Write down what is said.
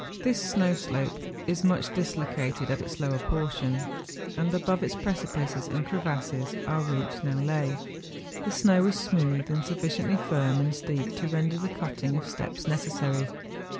This snow slope is much dis¬ located at its lower portion, and above its precipices and crevasses our route now lay. The snow was smooth, and sufficiently firm and steep to render the cutting of steps necessary.